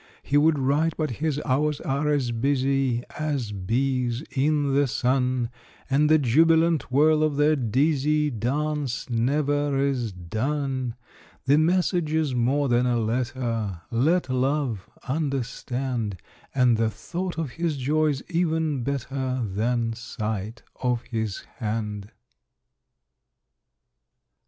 He would write, but his hours are as busy As bees in the sun, And the jubilant whirl of their dizzy Dance never is done. The message is more than a letter, Let love understand, And the thought of his joys even better Than sight of his hand.